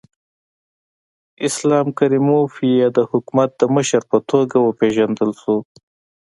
اسلام کریموف یې د حکومت د مشر په توګه وپېژندل شو.